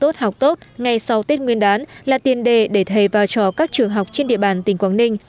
tốt học tốt ngay sau tết nguyên đán là tiền đề để thầy và trò các trường học trên địa bàn tỉnh quảng ninh